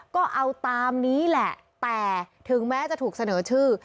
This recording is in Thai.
ก็เอาตามนี้แหละแต่ถึงแม้จะถูกเสนอชื่อ